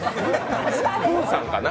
プーさんかな？